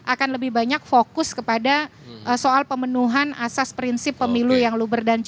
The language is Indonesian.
akan lebih banyak fokus kepada soal pemenuhan asas prinsip pemilu yang luber